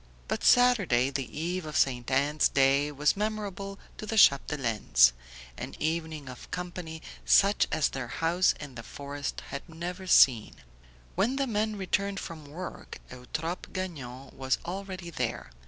But Saturday, the eve of Ste. Anne's day, was memorable to the Chapdelaines; an evening of company such as their house in the forest had never seen. When the men returned from work Eutrope Gagnon was already there.